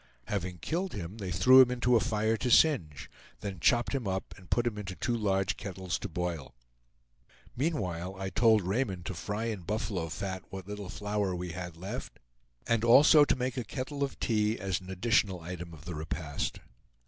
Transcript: Having killed him they threw him into a fire to singe; then chopped him up and put him into two large kettles to boil. Meanwhile I told Raymond to fry in buffalo fat what little flour we had left, and also to make a kettle of tea as an additional item of the repast.